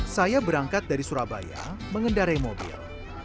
saya berangkat dari surabaya mengendarai mobil